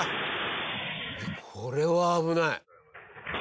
これは危ない。